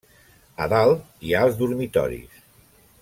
A dalt hi ha els dormitoris.